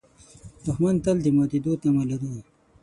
دښمن تل د ماتېدو تمه لري